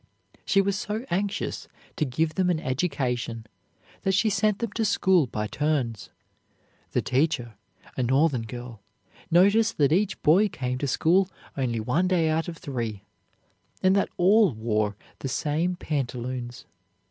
She was so anxious to give them an education that she sent them to school by turns. The teacher, a Northern girl, noticed that each boy came to school only one day out of three, and that all wore the same pantaloons.